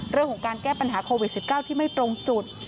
เรื่องของการแก้ปัญหาโควิด๑๙ที่ไม่ตรงจุด